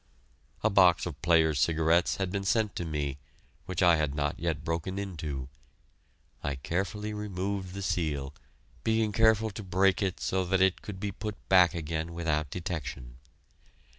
A box of Players' Cigarettes had been sent to me, which I had not yet broken into. I carefully removed the seal, being careful to break it so that it could be put back again without detection.